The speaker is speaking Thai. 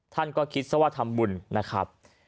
ท่านก็คิดซะว่าทำบุญนะครับ